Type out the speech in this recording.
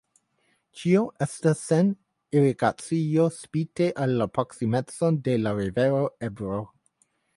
Ĉio estas sen irigacio spite la proksimecon de la rivero Ebro.